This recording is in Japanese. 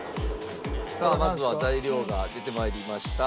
さあまずは材料が出て参りました。